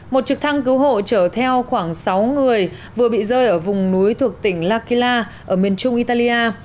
một trực thăng cứu hộ chở theo khoảng sáu người vừa bị rơi ở vùng núi thuộc tỉnh lakila ở miền trung italia